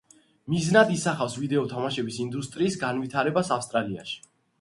მიზნად ისახავს ვიდეო თამაშების ინდუსტრიის განვითარებას ავსტრალიაში.